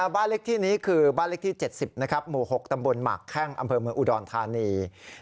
บ้านเล็กที่นี้คือบ้านเลขที่๗๐หมู่๖ตำบลหมากแข้งอำเภอเมืองอุดรธานี